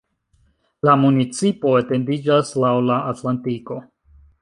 La municipo etendiĝas laŭ la Atlantiko.